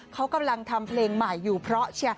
เขากำลังทำเพลงใหม่อยู่เพราะเชียร์